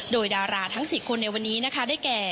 โดยดาราทั้ง๔คนในวันนี้นะคะได้แก่